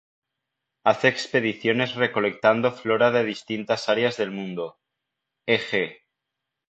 Hace expediciones recolectando flora de distintas áreas del mundo, e.g.